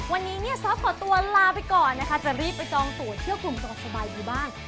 วันนี้เนี่ยซอสขอตัวลาไปก่อนนะคะจะรีบไปจองตัวเที่ยวกลุ่มสบายดีบ้าง